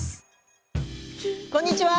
こんにちは。